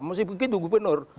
mesti begitu gubernur